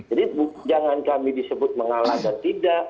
jadi jangan kami disebut mengalah dan tidak